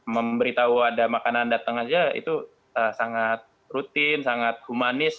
memberitahu ada makanan datang saja itu sangat rutin sangat humanis